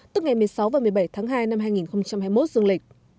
tức ngày một mươi sáu và một mươi bảy tháng hai năm hai nghìn hai mươi một dương lịch